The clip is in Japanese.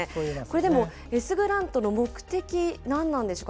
これでも、エスグラントの目的、何なんでしょうか。